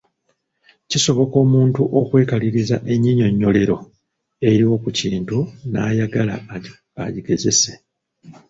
Kisoboka omuntu okwekaliriza ennyinnyonnyolero eriwo ku kintu n’ayagala agigezese.